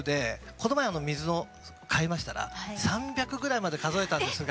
この前水を替えましたら３００ぐらいまで数えたんですが。